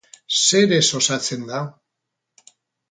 Zerez osatzen da?